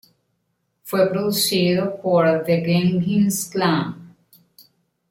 Fue producido por "The Genghis Klan".